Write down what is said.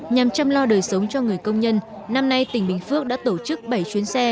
nhằm chăm lo đời sống cho người công nhân năm nay tỉnh bình phước đã tổ chức bảy chuyến xe